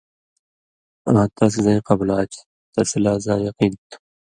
آں تس زَیں قبلا چھی؛ تسی لا زاں یقین تھُو؛